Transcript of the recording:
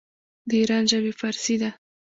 د ایران ژبې فارسي ده.